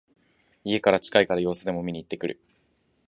家から近いから様子でも見にいってくる